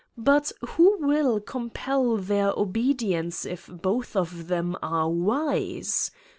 But who will compel their obedience if both of them are wise?